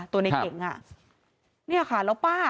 ตัวนี้เองอ่ะเนี้ยค่ะแล้วป้าอ่ะ